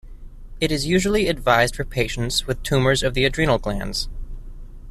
It is usually advised for patients with tumors of the adrenal glands.